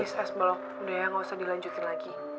please es balok udah ya gak usah dilanjutin lagi